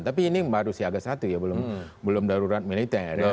tapi ini baru siaga satu ya belum darurat militer